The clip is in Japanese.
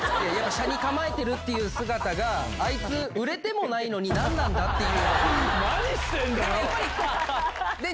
斜に構えてるって姿が、あいつ、売れてもないのに何なんだっていう。